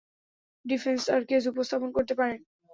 Defence তার case উপস্থাপন করতে পারেন।